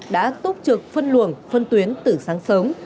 đã túc trực phân luồng phân tuyến từ sáng sớm